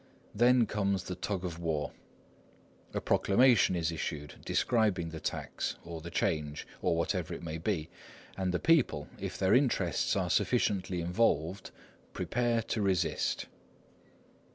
Then comes the tug of war. A proclamation is issued, describing the tax, or the change, or whatever it may be, and the people, if their interests are sufficiently involved, prepare to resist.